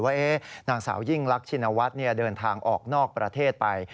ว่านางสาวยิ่งรักชินวัฒน์เดินทางออกนอกประเทศไป